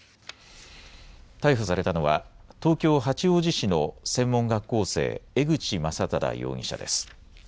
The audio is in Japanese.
逮捕されたのは東京八王子市の専門学校生、江口将匡容疑者です。